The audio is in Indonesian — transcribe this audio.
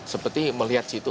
seperti melihat situ